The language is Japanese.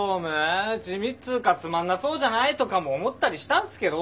地味っつうかつまんなそうじゃない？」とかも思ったりしたんすけど。